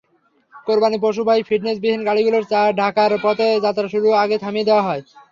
কোরবানির পশুবাহী ফিটনেসবিহীন গাড়িগুলো ঢাকার পথে যাত্রা শুরুর আগেই থামিয়ে দেওয়া।